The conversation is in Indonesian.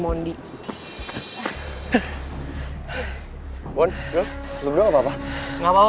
maaf beruntung usaru